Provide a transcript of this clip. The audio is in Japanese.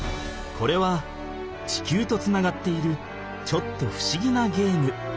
これは地球とつながっているちょっとふしぎなゲーム。